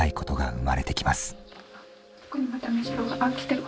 そこにまたメジロがあっ来てる。